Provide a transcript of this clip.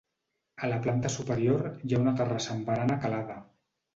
A la planta superior hi ha una terrassa amb barana calada.